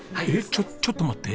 ちょちょっと待って。